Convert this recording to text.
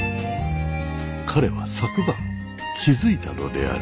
彼は昨晩気付いたのである。